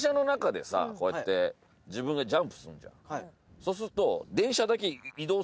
そうすると。